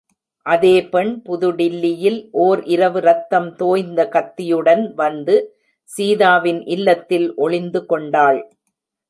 அதே பெண் புதுடில்லியில் ஓர் இரவு ரத்தம் தோய்ந்த கத்தியுடன் வந்து சீதாவின் இல்லத்தில் ஒளிந்துகொண்டாள்.